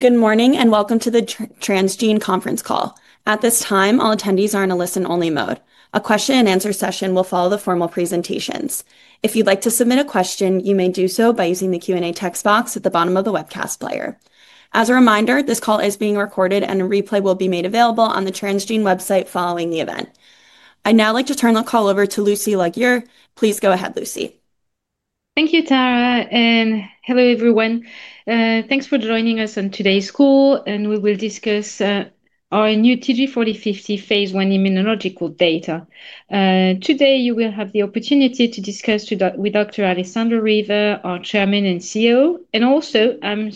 Good morning and welcome to the Transgene Conference Call. At this time, all attendees are in a listen-only mode. A question-and-answer session will follow the formal presentations. If you'd like to submit a question, you may do so by using the Q&A text box at the bottom of the webcast player. As a reminder, this call is being recorded, and a replay will be made available on the Transgene website following the event. I'd now like to turn the call over to Lucie Larguier. Please go ahead, Lucie. Thank you, Tara, and hello everyone. Thanks for joining us on today's call, and we will discuss our new TG4050 phase I immunological data. Today, you will have the opportunity to discuss with Dr. Alessandro Riva, our Chairman and CEO, and also I'm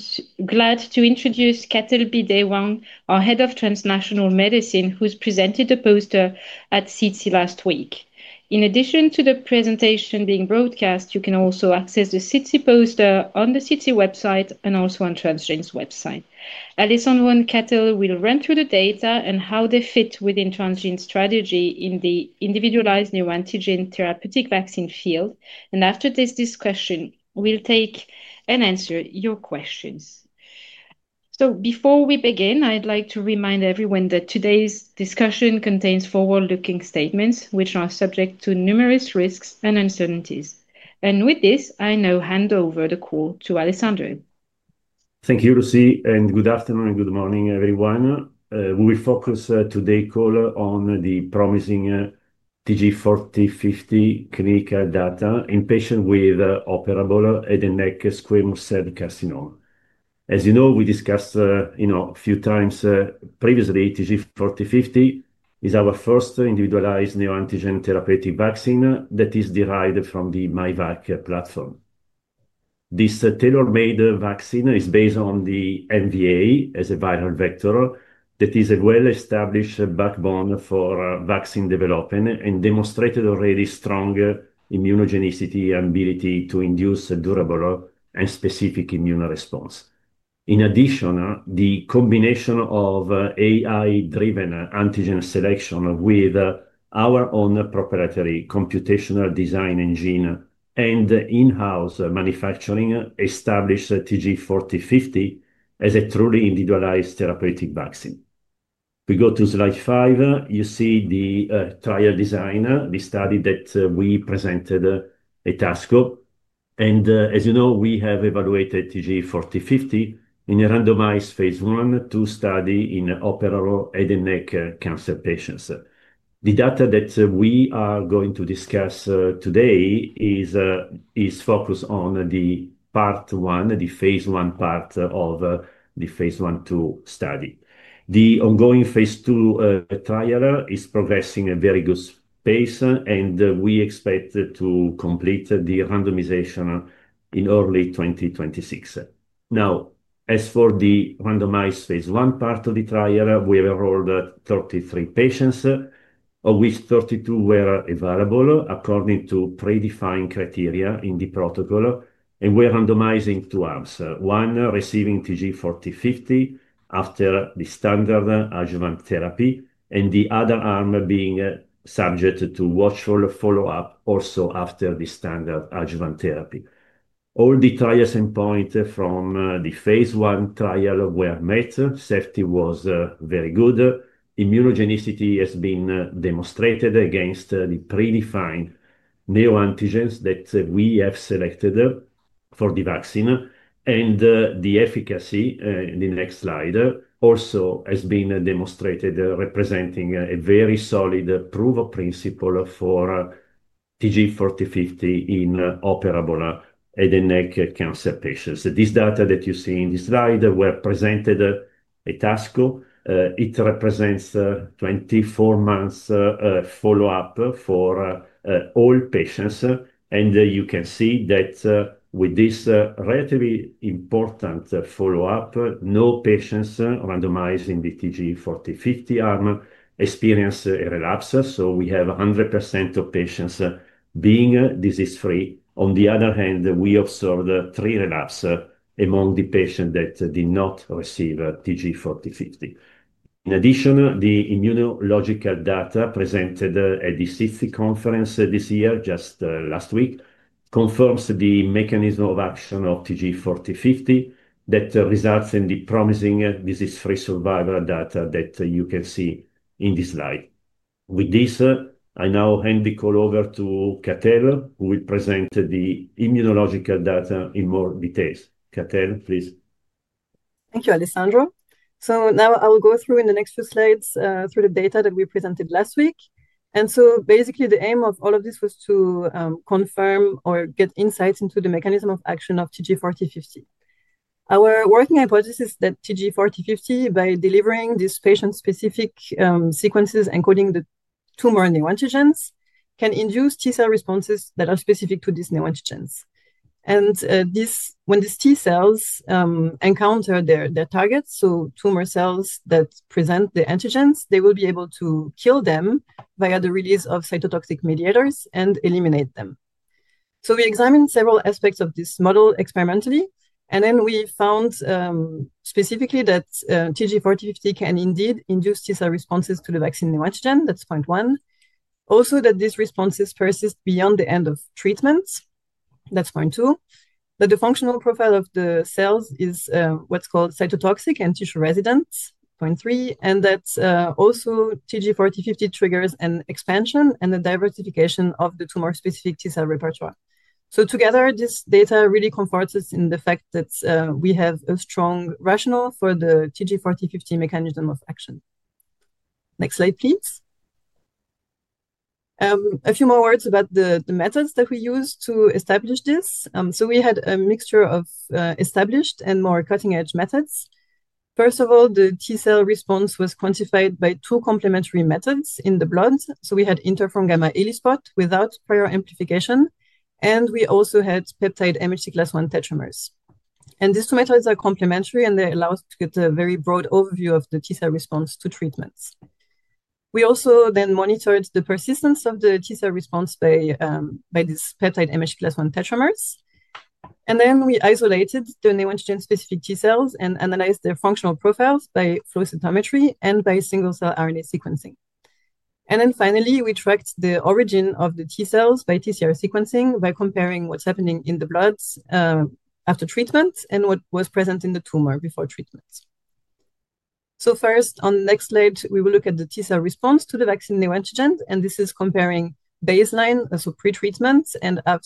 glad to introduce Katell Bidet Huang, our Head of Translational Medicine, who's presented the poster at SITC last week. In addition to the presentation being broadcast, you can also access the SITC poster on the SITC website and also on Transgene's website. Alessandro and Katell will run through the data and how they fit within Transgene's strategy in the individualized neoantigen therapeutic vaccine field. After this discussion, we'll take and answer your questions. Before we begin, I'd like to remind everyone that today's discussion contains forward-looking statements, which are subject to numerous risks and uncertainties. With this, I now hand over the call to Alessandro. Thank you, Lucie, and good afternoon and good morning, everyone. We will focus today's call on the promising TG4050 clinical data in patients with operable head and neck squamous cell carcinoma. As you know, we discussed a few times previously, TG4050 is our first individualized neoantigen therapeutic vaccine that is derived from the myvac platform. This tailor-made vaccine is based on the MVA as a viral vector that is a well-established backbone for vaccine development and demonstrated already strong immunogenicity and ability to induce a durable and specific immune response. In addition, the combination of AI-driven antigen selection with our own proprietary computational design engine and in-house manufacturing established TG4050 as a truly individualized therapeutic vaccine. If we go to slide five, you see the trial design, the study that we presented at ASCO. As you know, we have evaluated TG4050 in a randomized phase I/II study in operable head and neck cancer patients. The data that we are going to discuss today is focused on part one, the phase I part of the phase I/II study. The ongoing phase II trial is progressing at a very good pace, and we expect to complete the randomization in early 2026. Now, as for the randomized phase I part of the trial, we have enrolled 33 patients, of which 32 were available according to predefined criteria in the protocol, and we're randomizing two arms: one receiving TG4050 after the standard adjuvant therapy, and the other arm being subject to watchful follow-up also after the standard adjuvant therapy. All the trial standpoints from the phase I trial were met. Safety was very good. Immunogenicity has been demonstrated against the predefined neoantigens that we have selected for the vaccine. The efficacy, the next slide, also has been demonstrated, representing a very solid proof of principle for TG4050 in operable head and neck cancer patients. This data that you see in this slide was presented at ASCO. It represents 24 months follow-up for all patients. You can see that with this relatively important follow-up, no patients randomized in the TG4050 arm experienced a relapse. We have 100% of patients being disease-free. On the other hand, we observed three relapses among the patients that did not receive TG4050. In addition, the immunological data presented at the SITC conference this year, just last week, confirms the mechanism of action of TG4050 that results in the promising disease-free survival data that you can see in this slide. With this, I now hand the call over to Katell, who will present the immunological data in more detail. Katell, please. Thank you, Alessandro. I will go through in the next few slides through the data that we presented last week. Basically, the aim of all of this was to confirm or get insights into the mechanism of action of TG4050. Our working hypothesis is that TG4050, by delivering these patient-specific sequences encoding the tumor neoantigens, can induce T cell responses that are specific to these neoantigens. When these T cells encounter their targets, tumor cells that present the antigens, they will be able to kill them via the release of cytotoxic mediators and eliminate them. We examined several aspects of this model experimentally, and we found specifically that TG4050 can indeed induce T cell responses to the vaccine neoantigen, that is point one. Also, that these responses persist beyond the end of treatment, that is point two. That the functional profile of the cells is what's called cytotoxic and tissue residents, point three. That also TG4050 triggers an expansion and a diversification of the tumor-specific T cell repertoire. Together, this data really confirms us in the fact that we have a strong rationale for the TG4050 mechanism of action. Next slide, please. A few more words about the methods that we used to establish this. We had a mixture of established and more cutting-edge methods. First of all, the T cell response was quantified by two complementary methods in the blood. We had interferon gamma ELISpot without prior amplification, and we also had peptide MHC class I tetramers. These two methods are complementary, and they allow us to get a very broad overview of the T cell response to treatments. We also then monitored the persistence of the T cell response by these peptide MHC class I tetramers. Then we isolated the neoantigen-specific T cells and analyzed their functional profiles by flow cytometry and by single-cell RNA sequencing. Finally, we tracked the origin of the T cells by TCR sequencing by comparing what is happening in the blood after treatment and what was present in the tumor before treatment. First, on the next slide, we will look at the T cell response to the vaccine neoantigen, and this is comparing baseline, so pre-treatment, and at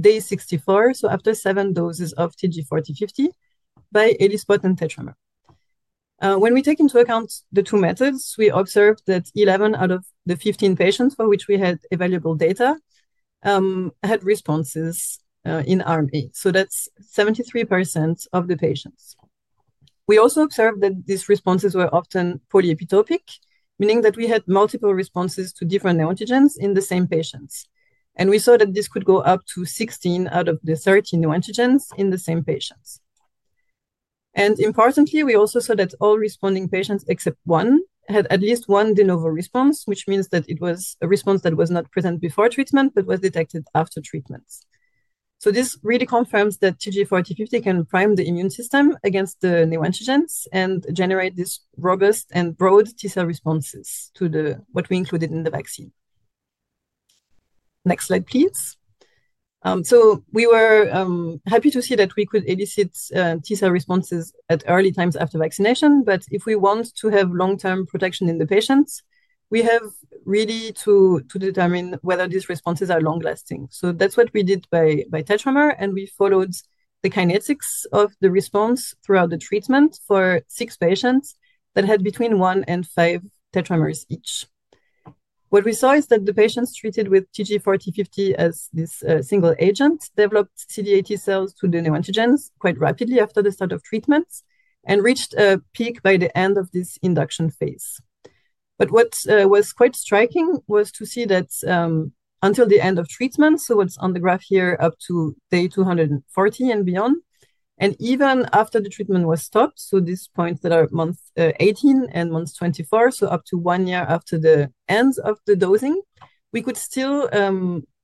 day 64, so after seven doses of TG4050, by ELISpot and tetramer. When we take into account the two methods, we observed that 11 out of the 15 patients for which we had available data had responses in arm A. That is 73% of the patients. We also observed that these responses were often polyepitopic, meaning that we had multiple responses to different new antigens in the same patients. We saw that this could go up to 16 out of the 30 new antigens in the same patients. Importantly, we also saw that all responding patients except one had at least one de novo response, which means that it was a response that was not present before treatment but was detected after treatment. This really confirms that TG4050 can prime the immune system against the new antigens and generate these robust and broad T cell responses to what we included in the vaccine. Next slide, please. We were happy to see that we could elicit T cell responses at early times after vaccination, but if we want to have long-term protection in the patients, we have really to determine whether these responses are long-lasting. That's what we did by tetramer, and we followed the kinetics of the response throughout the treatment for six patients that had between one and five tetramers each. What we saw is that the patients treated with TG4050 as this single agent developed CD8 T cells to the neoantigens quite rapidly after the start of treatment and reached a peak by the end of this induction phase. What was quite striking was to see that until the end of treatment, so what is on the graph here up to day 240 and beyond, and even after the treatment was stopped, so these points that are month 18 and month 24, so up to one year after the end of the dosing, we could still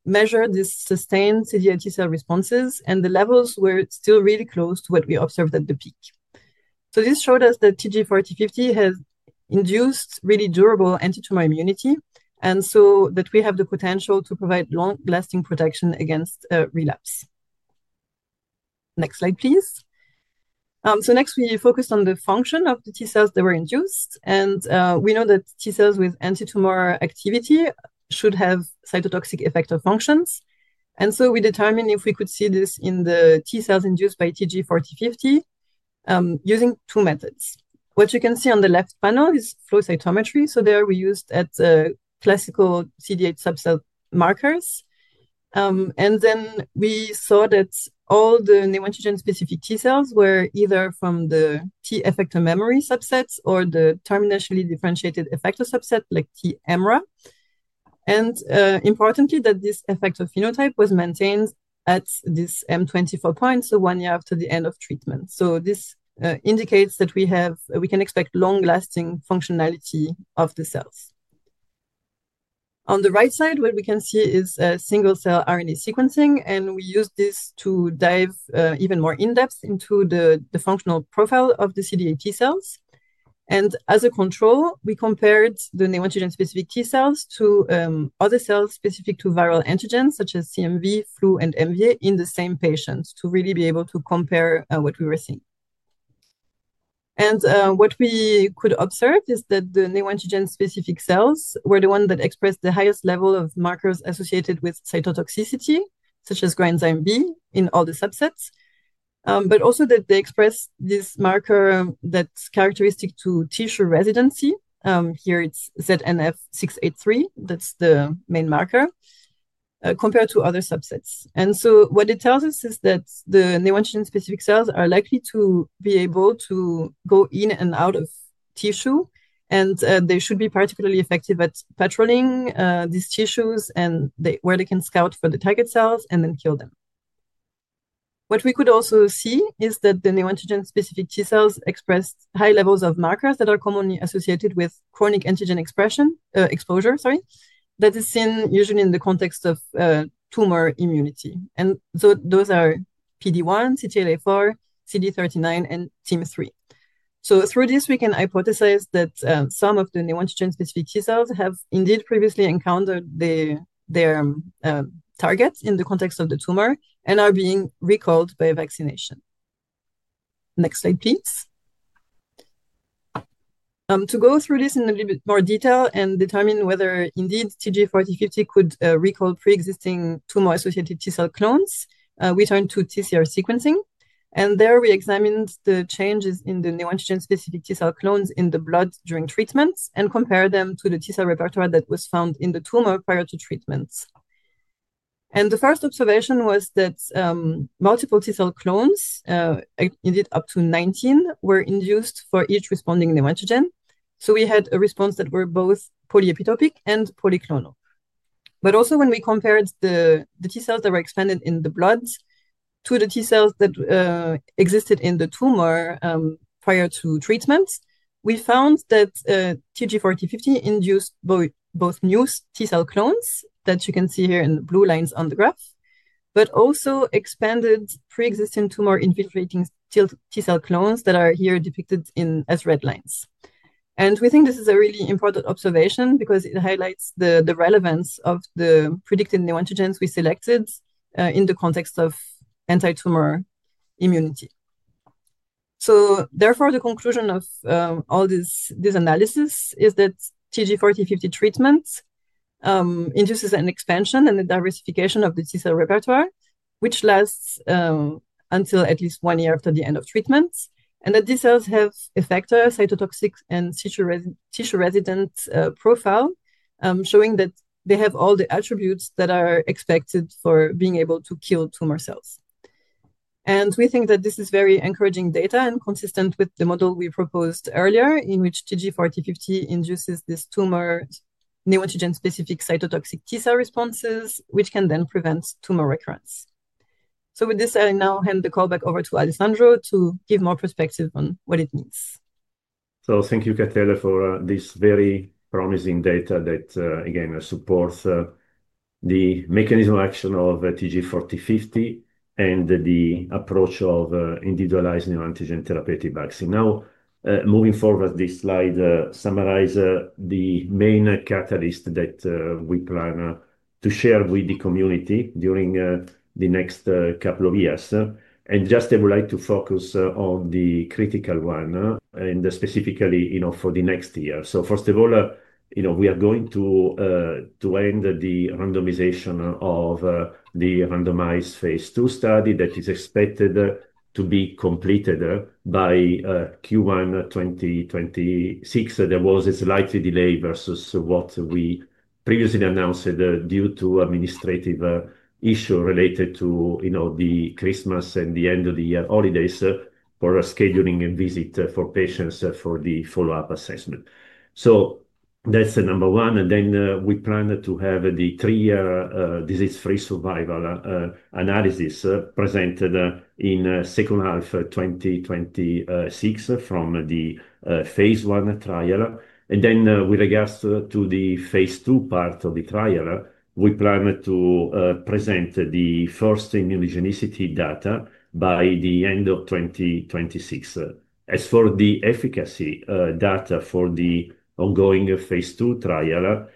measure these sustained CD8 T cell responses, and the levels were still really close to what we observed at the peak. This showed us that TG4050 has induced really durable anti-tumor immunity, and that we have the potential to provide long-lasting protection against relapse. Next slide, please. Next, we focused on the function of the T cells that were induced, and we know that T cells with anti-tumor activity should have cytotoxic effector functions. We determined if we could see this in the T cells induced by TG4050 using two methods. What you can see on the left panel is flow cytometry. There we used classical CD8 subset markers. We saw that all the neoantigen-specific T cells were either from the T effector memory subsets or the terminally differentiated effector subset like TEMRA. Importantly, this effector phenotype was maintained at this M24 point, one year after the end of treatment. This indicates that we can expect long-lasting functionality of the cells. On the right side, what we can see is single-cell RNA sequencing, and we used this to dive even more in-depth into the functional profile of the CD8 T cells. As a control, we compared the neoantigen-specific T cells to other cells specific to viral antigens, such as CMV, flu, and MVA in the same patients to really be able to compare what we were seeing. What we could observe is that the neoantigen-specific cells were the ones that expressed the highest level of markers associated with cytotoxicity, such as coenzyme B in all the subsets, but also that they expressed this marker that is characteristic to tissue residency. Here it is ZNF683, that is the main marker, compared to other subsets. What it tells us is that the neoantigen-specific cells are likely to be able to go in and out of tissue, and they should be particularly effective at patrolling these tissues where they can scout for the target cells and then kill them. What we could also see is that the new antigen-specific T cells expressed high levels of markers that are commonly associated with chronic antigen exposure, sorry, that is seen usually in the context of tumor immunity. Those are PD-1, CTLA-4 CD39, TIM-3. Through this, we can hypothesize that some of the new antigen-specific T cells have indeed previously encountered their targets in the context of the tumor and are being recalled by vaccination. Next slide, please. To go through this in a little bit more detail and determine whether indeed TG4050 could recall pre-existing tumor-associated T cell clones, we turned to TCR sequencing. There we examined the changes in the new antigen-specific T cell clones in the blood during treatments and compared them to the T cell repertoire that was found in the tumor prior to treatments. The first observation was that multiple T cell clones, indeed up to 19, were induced for each responding new antigen. We had a response that was both polyepitopic and polyclonal. Also, when we compared the T cells that were expanded in the blood to the T cells that existed in the tumor prior to treatment, we found that TG4050 induced both new T cell clones that you can see here in the blue lines on the graph, but also expanded pre-existing tumor-infiltrating T cell clones that are depicted as red lines. We think this is a really important observation because it highlights the relevance of the predicted new antigens we selected in the context of anti-tumor immunity. Therefore, the conclusion of all this analysis is that TG4050 treatment induces an expansion and the diversification of the T cell repertoire, which lasts until at least one year after the end of treatment, and that these cells have effector, cytotoxic, and tissue resident profile, showing that they have all the attributes that are expected for being able to kill tumor cells. We think that this is very encouraging data and consistent with the model we proposed earlier in which TG4050 induces these tumor neoantigen-specific cytotoxic T cell responses, which can then prevent tumor recurrence. With this, I now hand the call back over to Alessandro to give more perspective on what it means. Thank you, Katell, for this very promising data that, again, supports the mechanism of action of TG4050 and the approach of individualized neoantigen therapeutic vaccine. Now, moving forward, this slide summarizes the main catalyst that we plan to share with the community during the next couple of years. I would like to focus on the critical one and specifically for the next year. First of all, we are going to end the randomization of the randomized phase II study that is expected to be completed by Q1 2026. There was a slight delay versus what we previously announced due to administrative issues related to the Christmas and the end of the year holidays for scheduling a visit for patients for the follow-up assessment. That's number one. We plan to have the three-year disease-free survival analysis presented in the second half of 2026 from the phase I trial. With regards to the phase II part of the trial, we plan to present the first immunogenicity data by the end of 2026. As for the efficacy data for the ongoing phase II trial,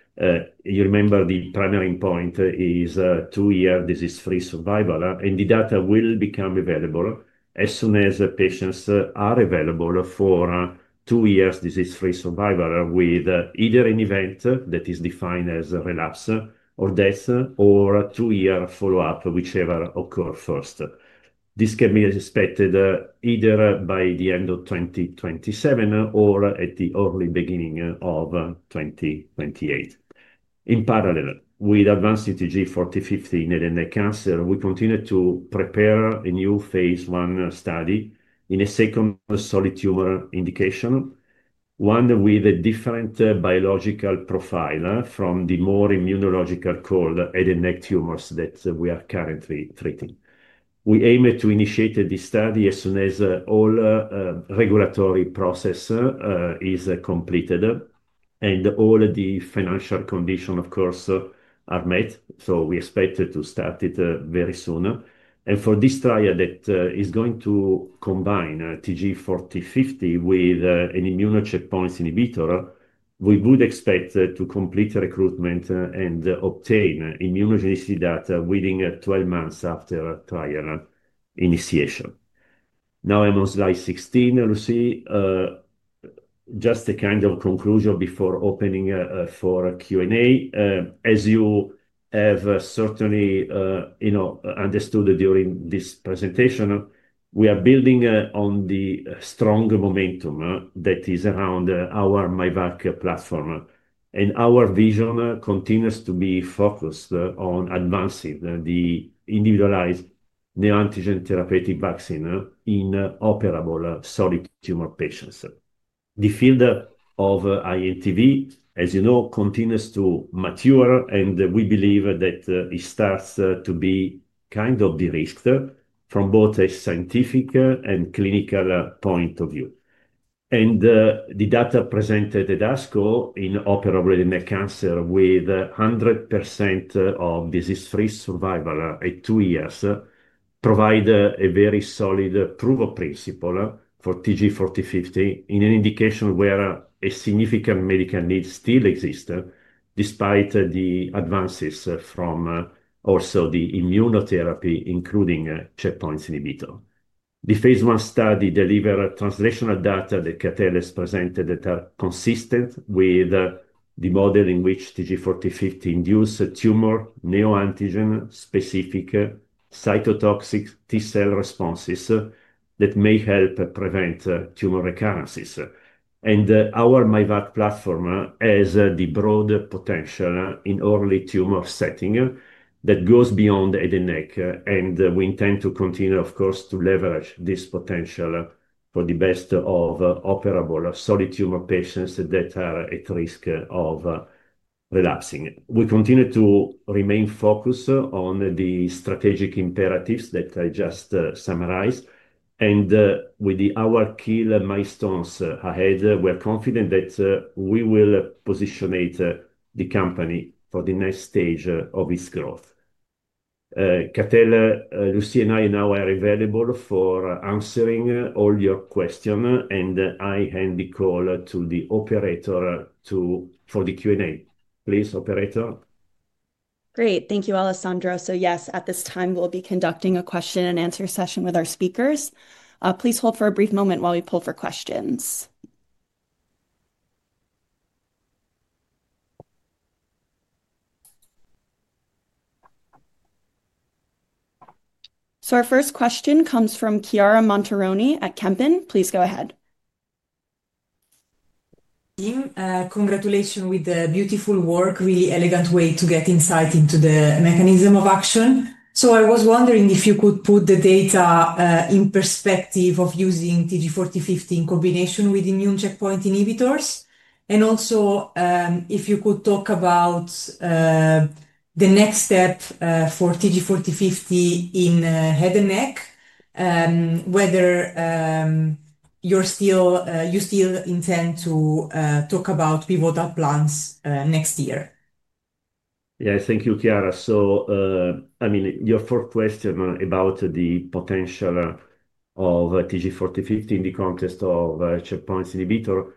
you remember the primary point is two-year disease-free survival, and the data will become available as soon as patients are available for two-year disease-free survival with either an event that is defined as relapse or death or two-year follow-up, whichever occurred first. This can be expected either by the end of 2027 or at the early beginning of 2028. In parallel, with advanced TG4050 in neck cancer, we continue to prepare a new phase I study in a second solid tumor indication, one with a different biological profile from the more immunological called head and neck tumors that we are currently treating. We aim to initiate this study as soon as all regulatory process is completed and all the financial conditions, of course, are met. We expect to start it very soon. For this trial that is going to combine TG4050 with an immuno checkpoint inhibitor, we would expect to complete recruitment and obtain immunogenicity data within 12 months after trial initiation. Now, I'm on slide 16, Lucie. Just a kind of conclusion before opening for Q&A. As you have certainly understood during this presentation, we are building on the strong momentum that is around our myvac platform. Our vision continues to be focused on advancing the individualized neoantigen therapeutic vaccine in operable solid tumor patients. The field of INTV, as you know, continues to mature, and we believe that it starts to be kind of de-risked from both a scientific and clinical point of view. The data presented at ASCO in operable neck cancer with 100% of disease-free survival at two years provides a very solid proof of principle for TG4050 in an indication where a significant medical need still exists despite the advances from also the immunotherapy, including checkpoint inhibitor. The phase I study delivers translational data that Katell has presented that are consistent with the model in which TG4050 induces tumor neoantigen-specific cytotoxic T cell responses that may help prevent tumor recurrences. Our myvac platform has the broad potential in early tumor setting that goes beyond head and neck. We intend to continue, of course, to leverage this potential for the best of operable solid tumor patients that are at risk of relapsing. We continue to remain focused on the strategic imperatives that I just summarized. With our key milestones ahead, we are confident that we will position the company for the next stage of its growth. Katell, Lucie, and I now are available for answering all your questions, and I hand the call to the operator for the Q&A. Please, operator. Great. Thank you, Alessandro. Yes, at this time, we'll be conducting a question-and-answer session with our speakers. Please hold for a brief moment while we pull for questions. Our first question comes from Chiara Montinori at Kempen. Please go ahead. Team, congratulations with the beautiful work. Really elegant way to get insight into the mechanism of action. I was wondering if you could put the data in perspective of using TG4050 in combination with immune checkpoint inhibitors. Also, if you could talk about the next step for TG4050 in head and neck, whether you still intend to talk about pivotal plans next year. Yeah, thank you, Chiara. I mean, your fourth question about the potential of TG4050 in the context of checkpoints inhibitor.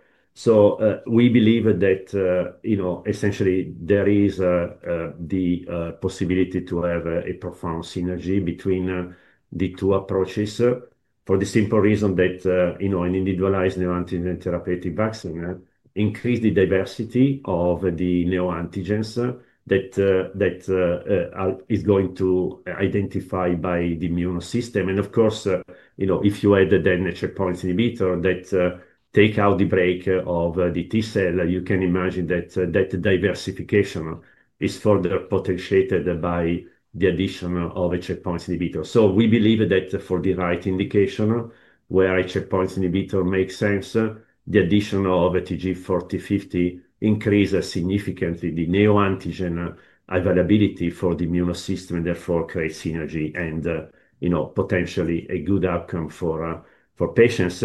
We believe that essentially there is the possibility to have a profound synergy between the two approaches for the simple reason that an individualized new antigen therapeutic vaccine increases the diversity of the new antigens that is going to be identified by the immune system. Of course, if you add then a checkpoints inhibitor that takes out the break of the T cell, you can imagine that that diversification is further potentiated by the addition of a checkpoints inhibitor. We believe that for the right indication where a checkpoints inhibitor makes sense, the addition of TG4050 increases significantly the new antigen availability for the immune system and therefore creates synergy and potentially a good outcome for patients.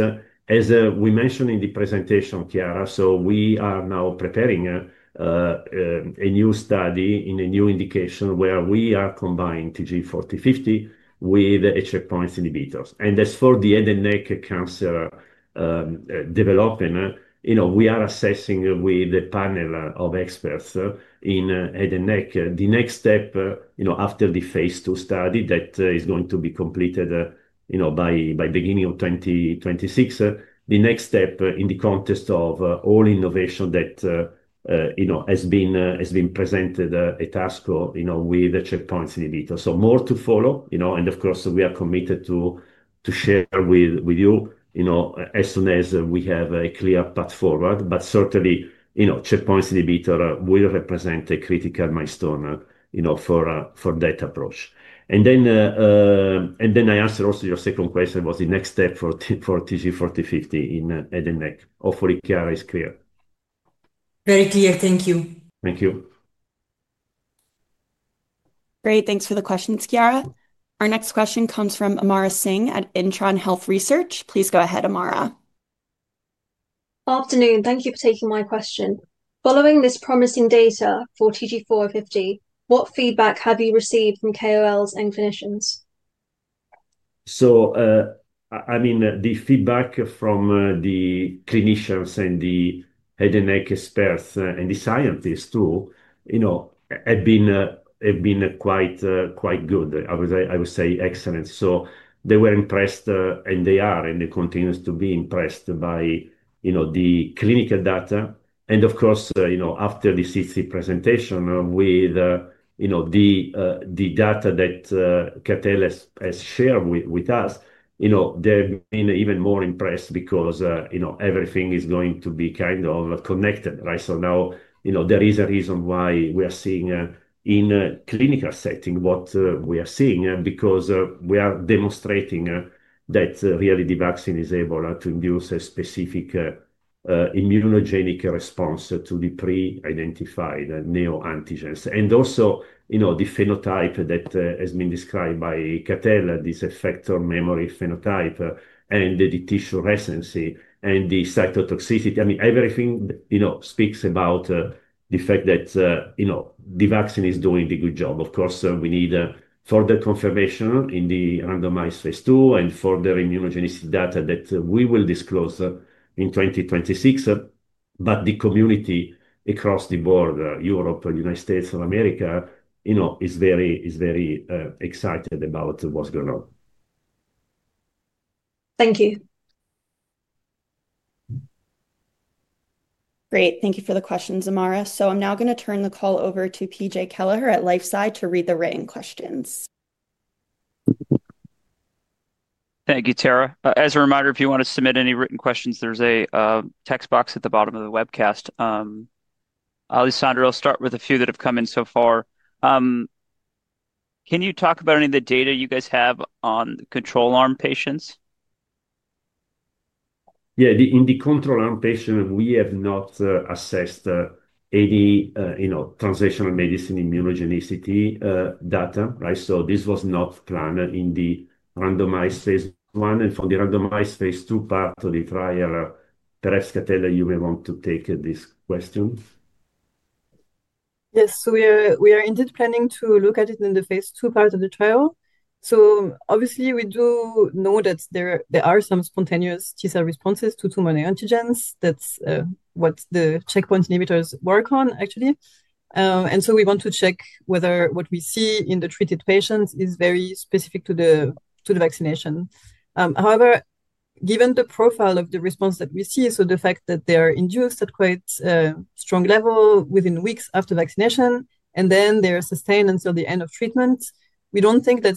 As we mentioned in the presentation, Chiara, we are now preparing a new study in a new indication where we are combining TG4050 with a checkpoint inhibitor. As for the head and neck cancer development, we are assessing with a panel of experts in head and neck the next step after the phase II study that is going to be completed by the beginning of 2026. The next step in the context of all innovation that has been presented at ASCO with a checkpoint inhibitor. More to follow. Of course, we are committed to share with you as soon as we have a clear path forward. Certainly, checkpoint inhibitor will represent a critical milestone for that approach. I answered also your second question, which was the next step for TG4050 in head and neck. Hopefully, Chiara, it is clear. Very clear. Thank you. Thank you. Great. Thanks for the questions, Chiara. Our next question comes from Amara Singh at Intron Health Research. Please go ahead, Amara. Good afternoon. Thank you for taking my question. Following this promising data for TG4050, what feedback have you received from KOLs and clinicians? I mean, the feedback from the clinicians and the academic experts and the scientists too have been quite good. I would say excellent. They were impressed, and they are, and they continue to be impressed by the clinical data. Of course, after the CC presentation with the data that Katell has shared with us, they've been even more impressed because everything is going to be kind of connected, right? Now there is a reason why we are seeing in clinical setting what we are seeing because we are demonstrating that really the vaccine is able to induce a specific immunogenic response to the pre-identified neoantigens. Also, the phenotype that has been described by Katell, this effector memory phenotype, and the tissue residency and the cytotoxicity. I mean, everything speaks about the fact that the vaccine is doing a good job. Of course, we need further confirmation in the randomized phase II and further immunogenicity data that we will disclose in 2026. The community across the board, Europe, United States, and America is very excited about what's going on. Thank you. Great. Thank you for the questions, Amara. I am now going to turn the call over to PJ Kelleher at LifeSci to read the written questions. Thank you, Tara. As a reminder, if you want to submit any written questions, there's a text box at the bottom of the webcast. Alessandro, I'll start with a few that have come in so far. Can you talk about any of the data you guys have on control arm patients? Yeah. In the control arm patient, we have not assessed any translational medicine immunogenicity data, right? This was not planned in the randomized phase I. For the randomized phase II part of the trial, perhaps Katell, you may want to take this question. Yes. We are indeed planning to look at it in the phase II part of the trial. Obviously, we do know that there are some spontaneous T cell responses to many antigens. That is what the checkpoint inhibitors work on, actually. We want to check whether what we see in the treated patients is very specific to the vaccination. However, given the profile of the response that we see, the fact that they are induced at quite a strong level within weeks after vaccination, and then they are sustained until the end of treatment, we do not think that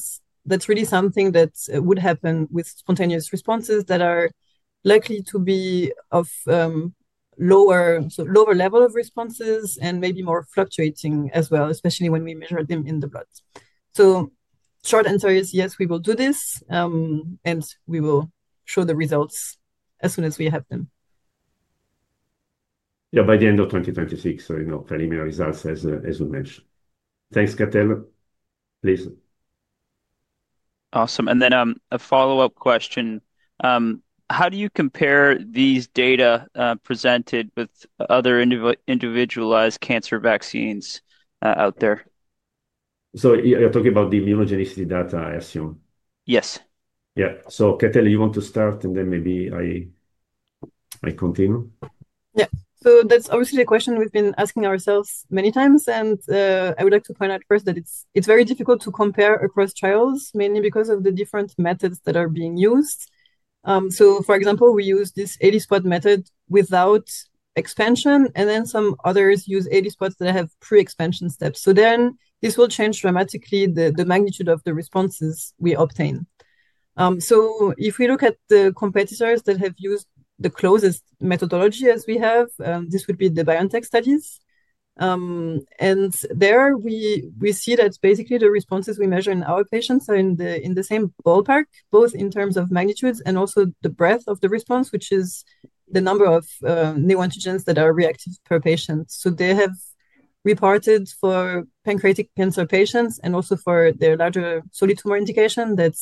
is really something that would happen with spontaneous responses that are likely to be of lower level of responses and maybe more fluctuating as well, especially when we measure them in the blood. Short answer is yes, we will do this, and we will show the results as soon as we have them. Yeah, by the end of 2026, preliminary results as we mentioned. Thanks, Katell. Please. Awesome. A follow-up question. How do you compare these data presented with other individualized cancer vaccines out there? You're talking about the immunogenicity data, I assume? Yes. Yeah. So Katell, you want to start, and then maybe I continue. Yeah. That's obviously a question we've been asking ourselves many times. I would like to point out first that it's very difficult to compare across trials, mainly because of the different methods that are being used. For example, we use this ELISpot method without expansion, and then some others use ELISpot that have pre-expansion steps. This will change dramatically the magnitude of the responses we obtain. If we look at the competitors that have used the closest methodology as we have, this would be the BioNTech studies. There we see that basically the responses we measure in our patients are in the same ballpark, both in terms of magnitudes and also the breadth of the response, which is the number of neoantigens that are reactive per patient. They have reported for pancreatic cancer patients and also for their larger solid tumor indication that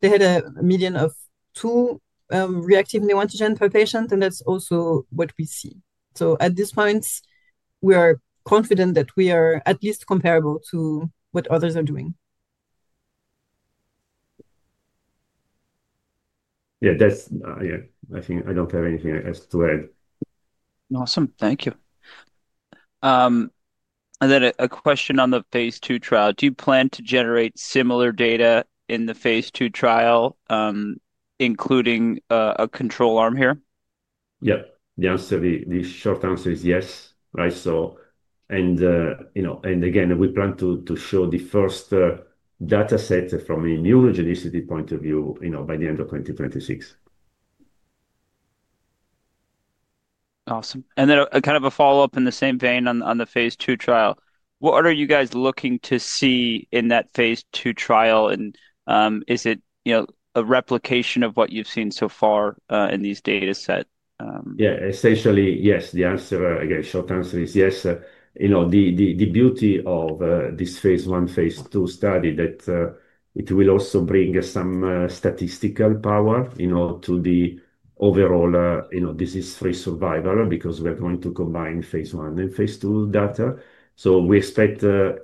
they had a median of two reactive neoantigens per patient, and that's also what we see. At this point, we are confident that we are at least comparable to what others are doing. Yeah, I think I don't have anything else to add. Awesome. Thank you. And then a question on the phase II trial. Do you plan to generate similar data in the phase II trial, including a control arm here? Yeah. The short answer is yes, right? Again, we plan to show the first dataset from an immunogenicity point of view by the end of 2026. Awesome. Kind of a follow-up in the same vein on the phase II trial. What are you guys looking to see in that phase II trial? Is it a replication of what you've seen so far in these datasets? Yeah, essentially, yes. The short answer is yes. The beauty of this phase I, phase II study is that it will also bring some statistical power to the overall disease-free survival because we're going to combine phase I and phase II data. We expect a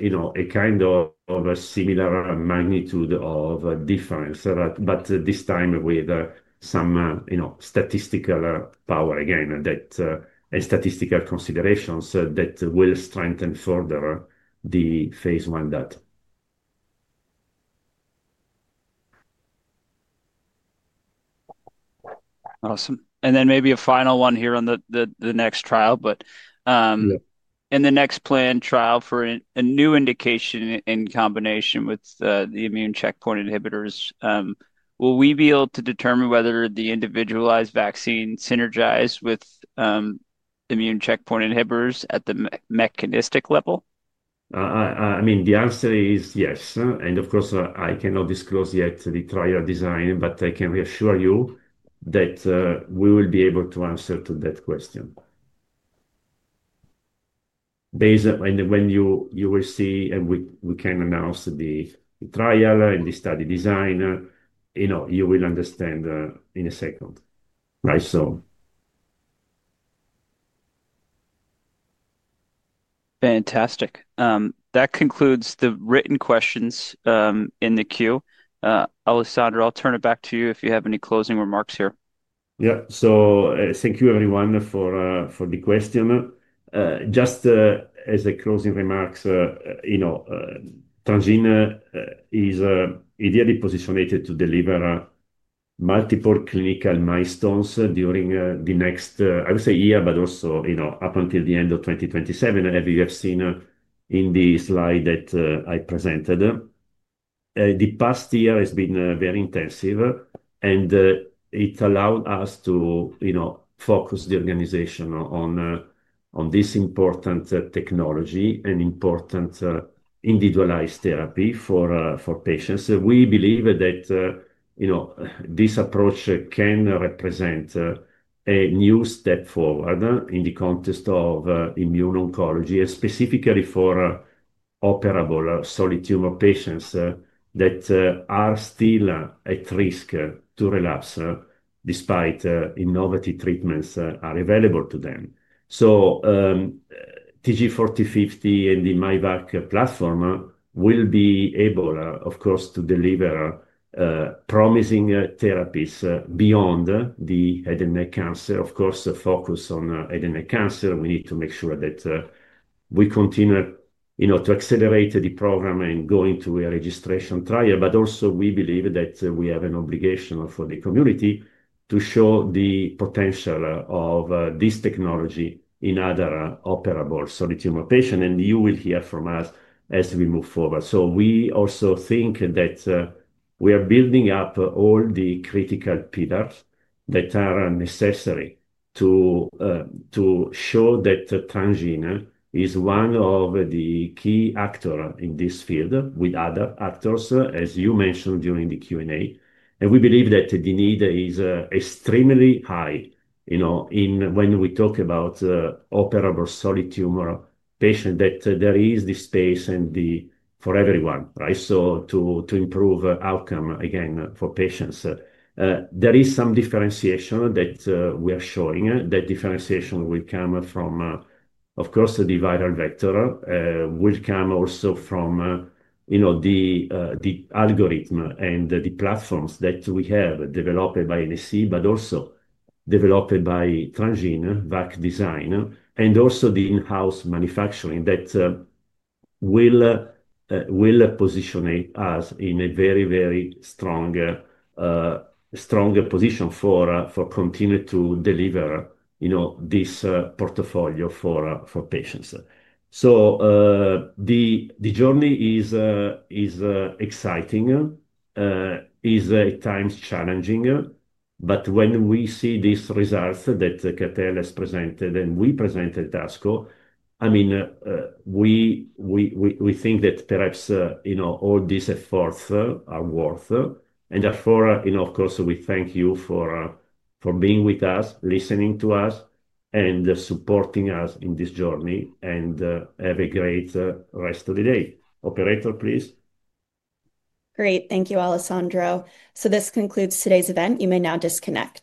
kind of similar magnitude of difference, but this time with some statistical power again and statistical considerations that will strengthen further the phase I data. Awesome. Maybe a final one here on the next trial. In the next planned trial for a new indication in combination with the immune checkpoint inhibitors, will we be able to determine whether the individualized vaccine synergized with immune checkpoint inhibitors at the mechanistic level? I mean, the answer is yes. Of course, I cannot disclose yet the trial design, but I can reassure you that we will be able to answer that question. When you will see and we can announce the trial and the study design, you will understand in a second, right? Fantastic. That concludes the written questions in the queue. Alessandro, I'll turn it back to you if you have any closing remarks here. Yeah. So thank you, everyone, for the question. Just as a closing remark, Transgene is ideally positioned to deliver multiple clinical milestones during the next, I would say, year, but also up until the end of 2027, as you have seen in the slide that I presented. The past year has been very intensive, and it allowed us to focus the organization on this important technology and important individualized therapy for patients. We believe that this approach can represent a new step forward in the context of immune oncology, specifically for operable solid tumor patients that are still at risk to relapse despite innovative treatments available to them. TG4050 and the myvac platform will be able, of course, to deliver promising therapies beyond the head and neck cancer. Of course, focus on head and neck cancer. We need to make sure that we continue to accelerate the program and go into a registration trial. We believe that we have an obligation for the community to show the potential of this technology in other operable solid tumor patients. You will hear from us as we move forward. We also think that we are building up all the critical pillars that are necessary to show that Transgene is one of the key actors in this field with other actors, as you mentioned during the Q&A. We believe that the need is extremely high when we talk about operable solid tumor patients, that there is the space for everyone, right? To improve outcome again for patients. There is some differentiation that we are showing. That differentiation will come from, of course, the viral vector. It will come also from the algorithm and the platforms that we have developed by NSC, but also developed by Transgene VacDesign, and also the in-house manufacturing that will position us in a very, very strong position for continuing to deliver this portfolio for patients. The journey is exciting, is at times challenging. When we see these results that Katell has presented and we presented at ASCO, I mean, we think that perhaps all this effort is worth it. Therefore, of course, we thank you for being with us, listening to us, and supporting us in this journey. Have a great rest of the day. Operator, please. Great. Thank you, Alessandro. This concludes today's event. You may now disconnect.